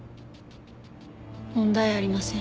問題ありません。